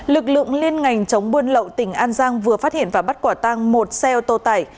lực lượng liên ngành chống buôn lậu tỉnh an giang vừa phát hiện và bắt quả tăng một xe ô tô tải